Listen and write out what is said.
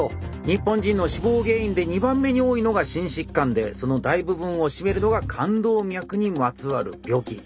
日本人の死亡原因で２番目に多いのが心疾患でその大部分を占めるのが冠動脈にまつわる病気。